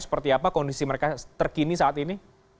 seperti apa kondisi mereka terkini saat ini